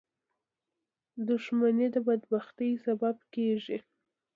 • دښمني د بدبختۍ سبب کېږي.